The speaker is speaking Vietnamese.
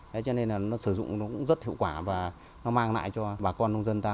thế cho nên là nó sử dụng nó cũng rất hiệu quả và nó mang lại cho bà con nông dân ta